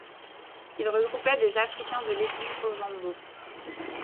Il regroupait des Africains de l'ethnie Ovambo.